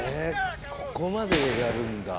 ここまでやるんだ。